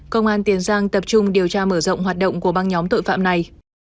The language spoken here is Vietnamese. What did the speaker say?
công an tiền giang tập trung điều tra mở rộng hoạt động của băng nhóm tội phạm này